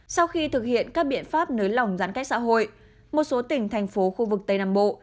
sau khi thực hiện các biện pháp nới lỏng giãn cách xã hội một số tỉnh thành phố khu vực tây nam bộ